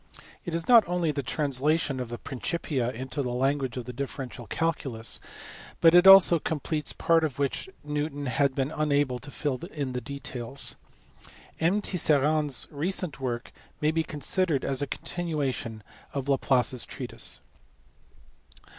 LAPLACE. 423 It is not only the translation of the Principia into the language of the differential calculus, but it also completes parts of which Newton had been unable to fill in the details. M. Tisserand s recent work may be considered as a continuation of Laplace s treatise.